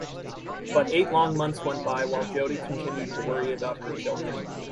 But eight long months went by while Jodi continued to worry about her children.